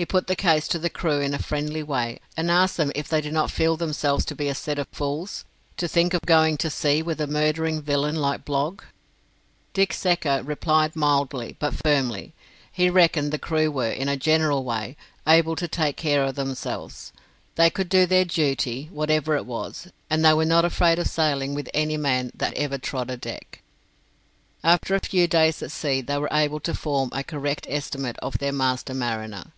He put the case to the crew in a friendly way, and asked them if they did not feel themselves to be a set of fools, to think of going to sea with a murdering villain like Blogg? Dick Secker replied mildly but firmly. He reckoned the crew were, in a general way, able to take care of themselves. They could do their duty, whatever it was; and they were not afraid of sailing with any man that ever trod a deck. After a few days at sea they were able to form a correct estimate of their master mariner.